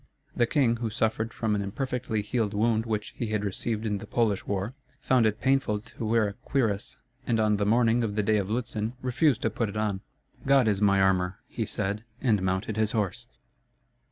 The king, who suffered from an imperfectly healed wound which he had received in the Polish war, found it painful to wear a cuirass; and on the morning of the day of Lutzen refused to put it on. "God is my armor," he said, and mounted his horse.